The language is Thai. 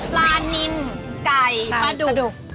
ปลานินก๋อยปลาดุก